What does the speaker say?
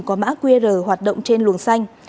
có mã qr hoạt động trên luồng xanh